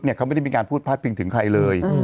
นี่เขามันมีเมนูไม่ได้พูดพราสต์เพียงถึงใครเลย